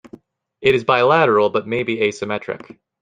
It is bilateral, but may be asymmetric.